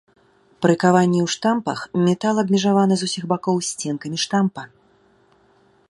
Пры каванні ў штампах метал абмежаваны з усіх бакоў сценкамі штампа.